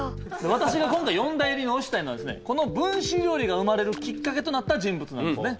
私が今回四大入りに推したいのはこの分子料理が生まれるきっかけとなった人物なんですね。